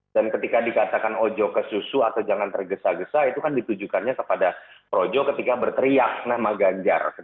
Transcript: dan ketika dikatakan ojo ke susu atau jangan tergesa gesa itu kan ditujukannya kepada projo ketika berteriak nama ganjar